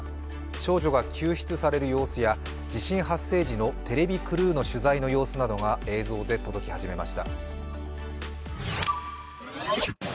少女が救出される様子や、地震発生時のテレビクルーの取材の映像が、届き始めました。